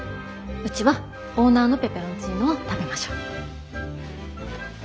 うちはオーナーのペペロンチーノを食べましょう。